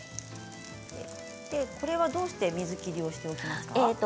これはどうして水切りをしておきますか。